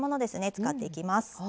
使っていきます。